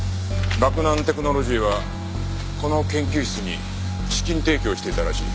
洛南テクノロジーはこの研究室に資金提供していたらしい。